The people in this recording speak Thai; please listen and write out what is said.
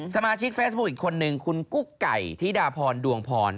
สมาชิกเฟซบุ๊คอีกคนนึงคุณกุ๊กไก่ธิดาพรดวงพร